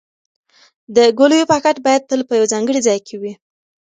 د ګولیو پاکټ باید تل په یو ځانګړي ځای کې وي.